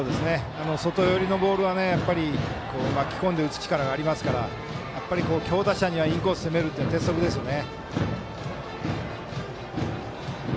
外寄りのボールは巻き込んで打つ力がありますからやっぱり強打者にはインコース攻めるというのは鉄則ですよね。